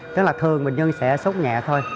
rất là thường bệnh nhân sẽ sốt nhẹ thôi